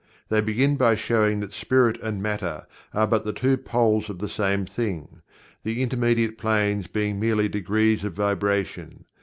They begin by showing that Spirit and Matter are but the two poles of the same thing, the intermediate planes being merely degrees of vibration.